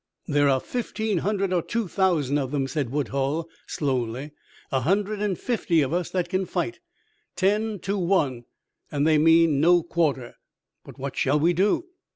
"There are fifteen hundred or two thousand of them," said Woodhull slowly "a hundred and fifty of us that can fight. Ten to one, and they mean no quarter." "But what shall we do?"